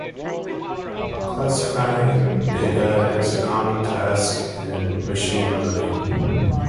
Classifying data is a common task in machine learning.